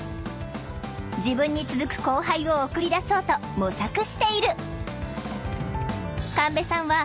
自分に続く後輩を送り出そうと模索している！